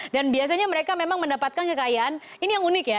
dan biasanya mereka memang mendapatkan kekayaan ini yang unik ya